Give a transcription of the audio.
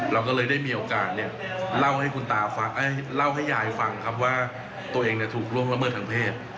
เราก็เลยได้มีโอกาสเล่าให้ยายฟังว่าตัวเองถูกร่วงละเมืองทางเพศ